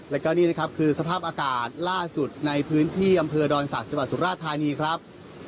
แล้วก็นี่นะครับคือสภาพอากาศล่าสุดในพื้นที่อำเภอดอนศักดิ์จังหวัดสุราธานีครับ